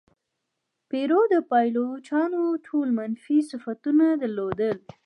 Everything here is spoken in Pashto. پیرو د پایلوچانو ټول منفي صفتونه درلودل.